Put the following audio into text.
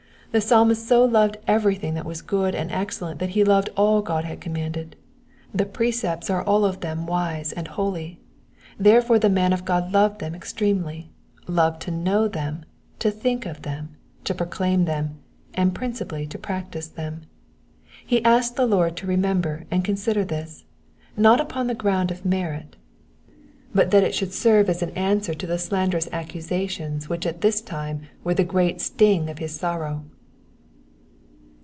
The Psalmist so loved everything that was good and excellent that he loved all God had commanded. The precepts are all of them wbe and holy, therefore the man of God loved them extremely, loved to know them, to think of them, to proclaim them, and principally to practise them. He asked the Lord to remem Der and consider this, not upon the ground of merit, but that it should serve Digitized by VjOOQIC PSALM ONE HUNDRED AND NINETEEN — VERSES 163 TO 160. 335 as an answer to the slanderous accusations 'which at this time were the great sting of his sorrow.